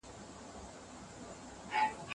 هغه ځان له ناروغۍ وساتی.